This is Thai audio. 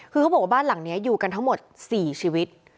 คือเขาบอกว่าบ้านหลังนี้อยู่กันทั้งหมด๔ชีวิต